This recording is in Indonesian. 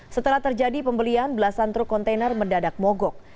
setelah terjadi pembelian belasan truk kontainer mendadak mogok